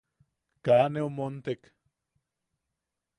Kaa neu montek.